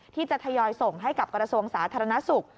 ที่จะทยอยส่งให้กับกระทรวงสาธารณสุข